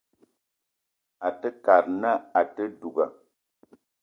Àte kad na àte duga